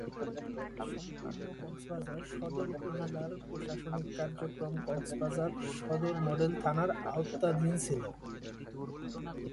সম্পূর্ণ কক্সবাজার সদর উপজেলার প্রশাসনিক কার্যক্রম কক্সবাজার সদর মডেল থানার আওতাধীন ছিল।